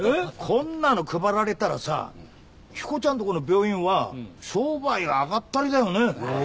こんなの配られたらさ彦ちゃんとこの病院は商売あがったりだよね。